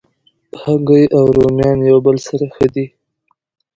هګۍ او رومیان یو بل سره ښه دي.